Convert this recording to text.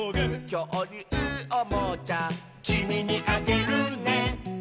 「きょうりゅうおもちゃ」「きみにあげるね」